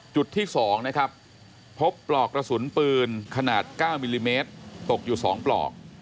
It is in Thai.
จุดที่๒นะครับพบปลอกกระสุนปืนขนาด๙มิลลิเมตรตกอยู่๒ปลอก